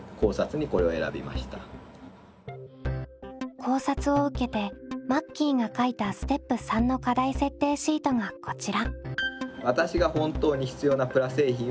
考察を受けてマッキーが書いたステップ③の課題設定シートがこちら。